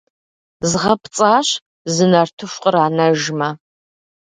Згъэпцӏащ, зы нартыху къранэжмэ!